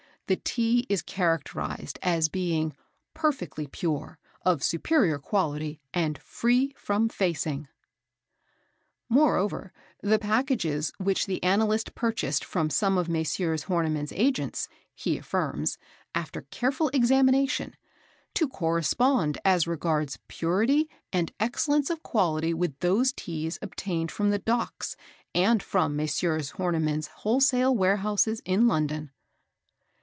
The Tea is characterised as being "perfectly pure, of superior quality, and free from facing." Moreover, the packages which the analyst purchased from some of Messrs. Horniman's Agents, he affirms, after careful examination, "to correspond as regards purity and excellence of quality with those Teas obtained from the Docks and from Messrs. Horniman's Wholesale Warehouses, in London."